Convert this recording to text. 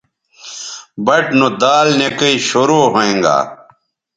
بَٹ نو دال نِکئ شروع ھوینگا